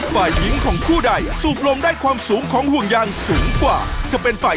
คุณคิดเลยว่าการทำขายังไงไม่เหนื่อย